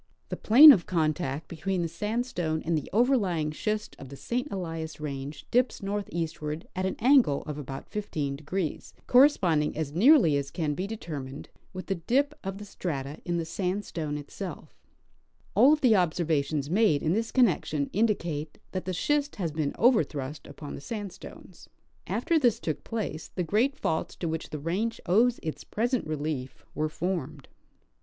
The plane of contact between the sandstone and the overlying schist of the St. Elias range dips northeastward at an angle of about 15°, corresponding, as nearly as can be determined, with the dip of the strata in the sandstone itself All of the observa tions made in this connection indicate that the schist has been overthrust upon the sandstones. After this took place the great faults to which the range owes its present relief were formed.